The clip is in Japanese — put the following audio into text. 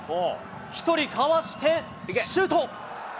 １人かわしてシュート。